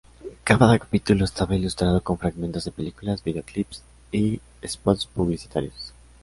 Cada capítulo estaba ilustrado con fragmentos de películas, videoclips i spots publicitarios.